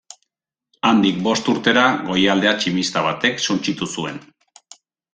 Handik bost urtera, goialdea tximista batek suntsitu zuen.